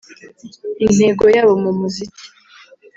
Intego yabo mu muziki